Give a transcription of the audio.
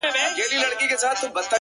راسه چي زړه مي په لاسو کي درکړم _